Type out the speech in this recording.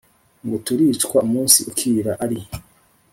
Ngo turicwa umunsi ukira ari